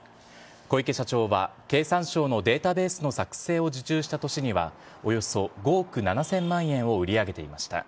小池社長は経産省のデータベースの作成を受注した年には、およそ５億７０００万円を売り上げていました。